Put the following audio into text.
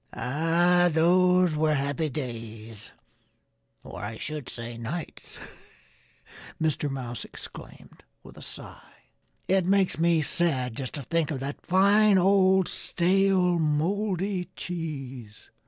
"Ah! Those were happy days or, I should say, nights!" Mr. Mouse exclaimed with a sigh. "It makes me sad just to think of that fine, old, stale, moldy cheese."